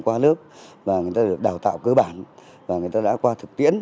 qua lớp và người ta được đào tạo cơ bản và người ta đã qua thực tiễn